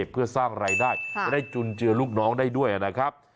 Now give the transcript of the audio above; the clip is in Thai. เพื่อสร้างรายได้จะได้จุนเจือลูกน้องได้ด้วยนะครับ